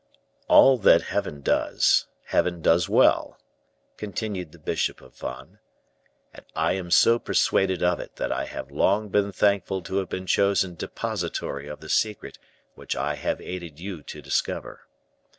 "All that Heaven does, Heaven does well," continued the bishop of Vannes; "and I am so persuaded of it that I have long been thankful to have been chosen depositary of the secret which I have aided you to discover.